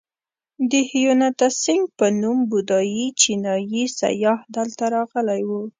د هیونتسینګ په نوم بودایي چینایي سیاح دلته راغلی و.